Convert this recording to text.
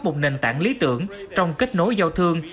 một nền tảng lý tưởng trong kết nối giao thương